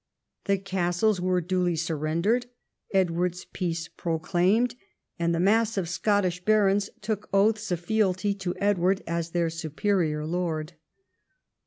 The castles were duly sur rendered, Edward's peace proclaimed, and the mass of the Scottish barons took oaths of fealty to Edward as their superior lord.